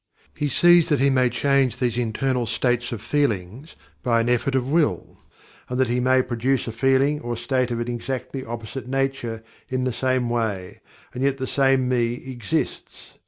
He sees that he may change these internal states of feelings by all effort of will, and that he may produce a feeling or state of an exactly opposite nature, in the same way, and yet the same "Me" exists.